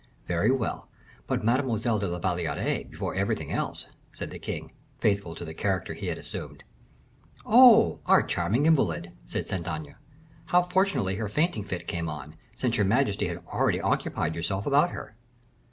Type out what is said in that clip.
"Very well; but Mademoiselle de la Valliere before everything else," said the king, faithful to the character he had assumed. "Oh! our charming invalid!" said Saint Aignan; "how fortunately her fainting fit came on, since your majesty had already occupied yourself about her."